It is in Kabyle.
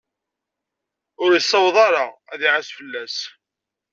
Ur yessaweḍ ara ad iɛas fell-as.